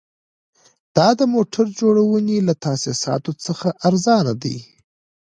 دا د موټر جوړونې له تاسیساتو څخه ارزانه دي